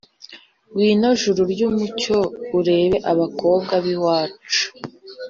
Ngwino juru ry’umucyo urebe Abakobwa b’iwacu